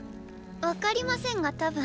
わかりませんが多分。